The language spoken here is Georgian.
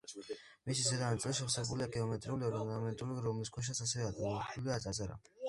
მისი ზედა ნაწილი შევსებულია გეომეტრიული ორნამენტით, რომლის ქვეშაც ასევე ამოტვიფრულია წარწერა.